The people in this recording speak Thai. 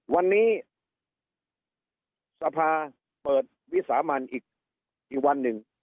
วันนี้สภาเปิดวิสามันอีกวันหนึ่ง